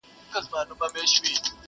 زندانونو ته خپلوان یې وه لېږلي!.